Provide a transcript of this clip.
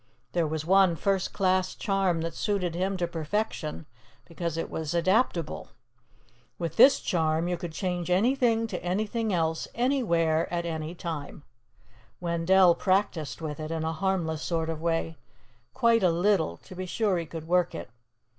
There was one first class charm that suited him to perfection, because it was adaptable. With this charm, you could change anything to anything else, anywhere, at any time. Wendell practiced with it, in a harmless sort of way, quite a little, to be sure he could work it.